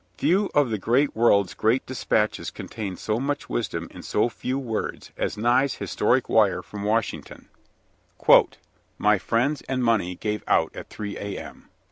Few of the great world's great despatches contained so much wisdom in so few words as Nye's historic wire from Washington: "My friends and money gave out at 3 A.M."